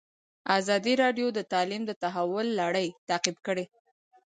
ازادي راډیو د تعلیم د تحول لړۍ تعقیب کړې.